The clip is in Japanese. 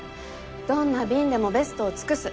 どんな便でもベストを尽くす。